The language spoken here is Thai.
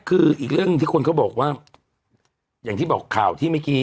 ชื่อก็บอกเป็นดารา